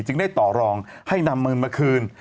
ได้ต่อรองให้นำเงินมาคืน